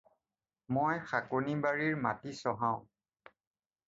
মই শাকনিবাৰীৰ মাটি চহাওঁ।